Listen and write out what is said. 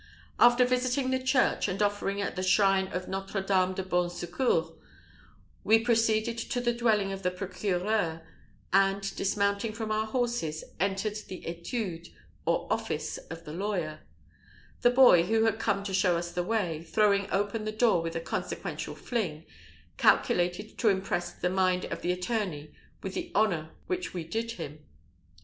After visiting the church, and offering at the shrine of Notre Dame du bon secours, we proceeded to the dwelling of the procureur, and dismounting from our horses, entered the étude, or office, of the lawyer; the boy, who had come to show us the way, throwing open the door with a consequential fling, calculated to impress the mind of the attorney with the honour which we did him.